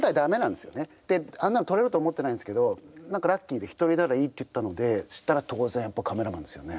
であんなの撮れると思ってないんですけど何かラッキーで「１人ならいい」って言ったのでそしたら当然やっぱカメラマンですよね。